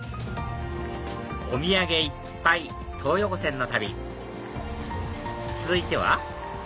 お土産いっぱい東横線の旅続いては？